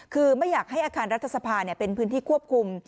คือไม่อยากให้อาคารรัฐสภาเป็นพื้นที่ควบคุม